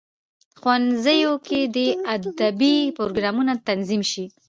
ښوونځیو کې دي ادبي پروګرامونه تنظیم سي.